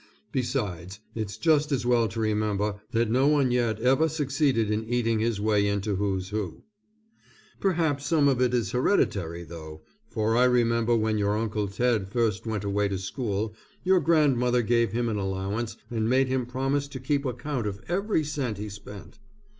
Besides, it's just as well to remember that no one yet ever succeeded in eating his way into Who's Who. Perhaps some of it is hereditary, though, for I remember when your Uncle Ted first went away to school, your grandmother gave him an allowance and made him promise to keep account of every cent he spent.